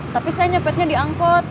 tapi sayangnya petnya di angkot